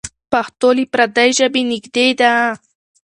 پښتو له پردۍ ژبې نږدې ده.